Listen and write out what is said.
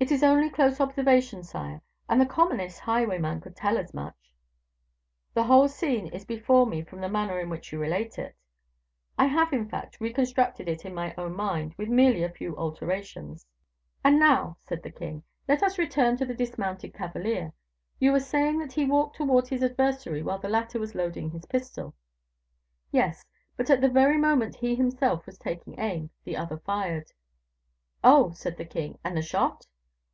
"It is only close observation, sire, and the commonest highwayman could tell as much." "The whole scene is before me from the manner in which you relate it." "I have, in fact, reconstructed it in my own mind, with merely a few alterations." "And now," said the king, "let us return to the dismounted cavalier. You were saying that he walked towards his adversary while the latter was loading his pistol." "Yes; but at the very moment he himself was taking aim, the other fired." "Oh!" said the king; "and the shot?"